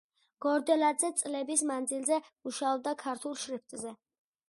გორდელაძე წლების მანძილზე მუშაობდა ქართულ შრიფტზე.